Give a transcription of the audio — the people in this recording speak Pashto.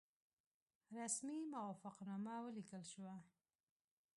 رسمي موافقتنامه ولیکل شوه.